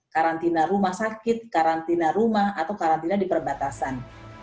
karantina rumah sakit karantina rumah atau karantina di perbatasan